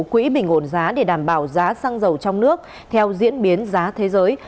quỹ bình ổn giá để đảm bảo giá xăng dầu trong nước theo diễn biến giá thế giới